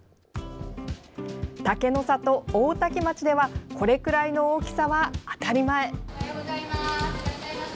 竹の里・大多喜町ではこれくらいの大きさは当たり前。